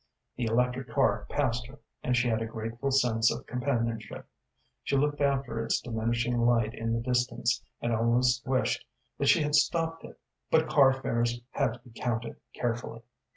The electric car passed her, and she had a grateful sense of companionship. She looked after its diminishing light in the distance, and almost wished that she had stopped it, but car fares had to be counted carefully.